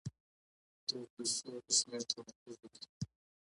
د دغو پيسو پر شمېر تمرکز وکړئ.